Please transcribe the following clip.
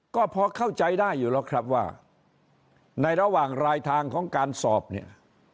ก็พอเข้าใจได้อยู่แล้วครับว่าในระหว่างรายทางของการสอบเนี่ย